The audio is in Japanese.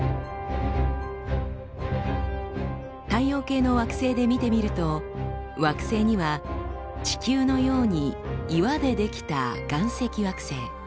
太陽系の惑星で見てみると惑星には地球のように岩で出来た「岩石惑星」。